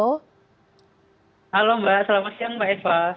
halo mbak selamat siang mbak eva